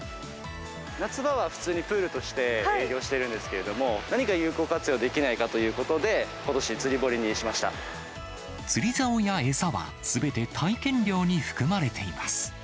夏場は普通のプールとして営業してるんですけれども、何か有効活用できないかということで、釣りざおや餌は、すべて体験料に含まれています。